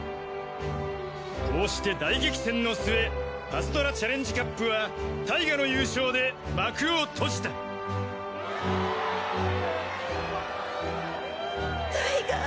こうして大激戦の末パズドラチャレンジカップはタイガの優勝で幕を閉じたタイガ。